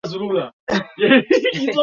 anya shughuli za ujasilia mali hasa